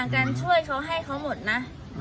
การช่วยเขาให้เขาหมดนะ